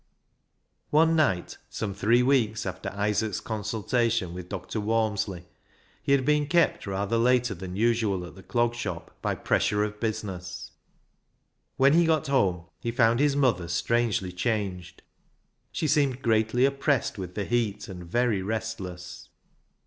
One night, some three weeks after Isaac's consultation with Dr. Walmsley, he had been kept rather later than usual at the Clog Shop by pressure of business. When he got home he found his mother strangely changed. She seemed greatly oppressed with the heat and very restless.